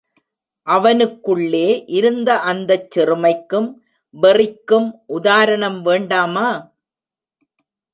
அவனுக்குள்ளே இருந்த அந்தச் சிறுமை க்கும் வெறி க்கும் உதாரணம் வேண்டாமா?